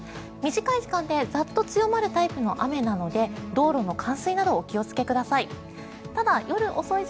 短い時間でザッと強まるタイプの雨なので道路の冠水などお気をつけください。